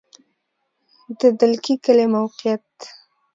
د دلکي کلی موقعیت